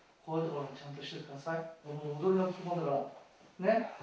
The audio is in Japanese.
ねっ？